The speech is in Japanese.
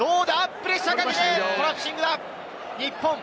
プレッシャーをかけて、コラプシングだ。